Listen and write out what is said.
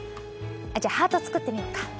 じゃあ、ハート作ってみようか。